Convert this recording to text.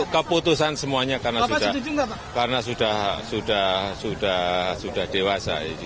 keputusan semuanya karena sudah dewasa